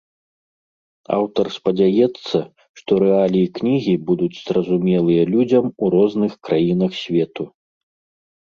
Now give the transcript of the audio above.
Аўтар спадзяецца, што рэаліі кнігі будуць зразумелыя людзям у розных краінах свету.